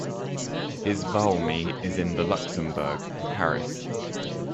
His "V'almy" is in the Luxembourg, Paris.